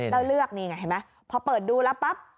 แล้วเลือกนี่ไงเห็นไหมพอเปิดดูแล้วปั๊บ